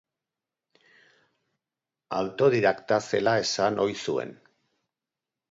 Autodidakta zela esan ohi zuen.